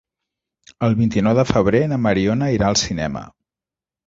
El vint-i-nou de febrer na Mariona irà al cinema.